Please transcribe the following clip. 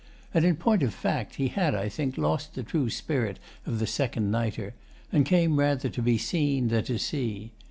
And in point of fact he had, I think, lost the true spirit of the second nighter, and came rather to be seen than to see.